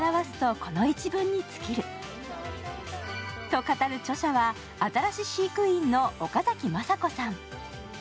と語る著者はアザラシ飼育員の岡崎雅子さん。